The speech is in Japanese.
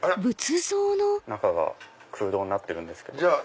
中が空洞になってるんですけど。